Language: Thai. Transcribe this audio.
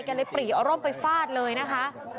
เลยปรีเอาร่มไปฟาดเลยนะคะ